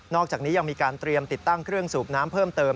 อกจากนี้ยังมีการเตรียมติดตั้งเครื่องสูบน้ำเพิ่มเติม